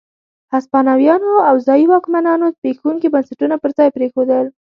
هسپانويانو او ځايي واکمنانو زبېښونکي بنسټونه پر ځای پرېښودل.